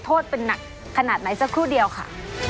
โทษเป็นหนักขนาดไหนสักครู่เดียวค่ะ